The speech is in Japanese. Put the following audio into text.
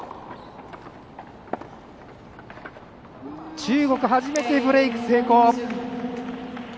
中国、初めてブレーク成功。